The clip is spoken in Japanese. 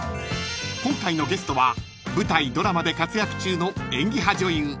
［今回のゲストは舞台ドラマで活躍中の演技派女優